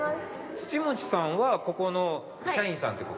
土持さんはここの社員さんって事？